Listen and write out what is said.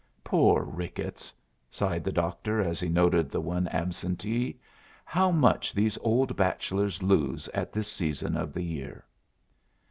"Poor Ricketts!" sighed the doctor, as he noted the one absentee. "How much these old bachelors lose at this season of the year!"